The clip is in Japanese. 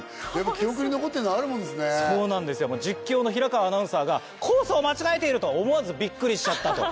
実況の平川アナウンサーが「コースを間違えている！」と思わずびっくりしちゃったと。